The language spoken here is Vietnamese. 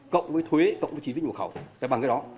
cộng với thuế cộng với chi phí nhu cầu là bằng cái đó